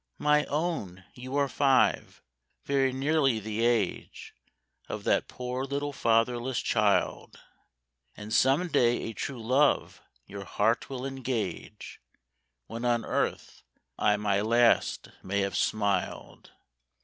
My Own, you are five, very nearly the age Of that poor little fatherless child; And some day a true love your heart will engage When on earth I my last may have smil'd.